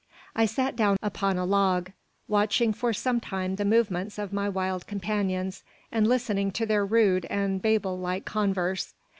I sat down upon a log, watching for some time the movements of my wild companions, and listening to their rude and Babel like converse.